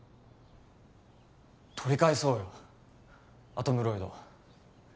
取り返そうよアトムロイド